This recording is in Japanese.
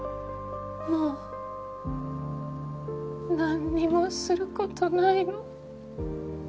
もうなんにもすることないの。